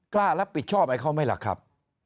กล้ารับผิดชอบให้เขาไหมล่ะครับ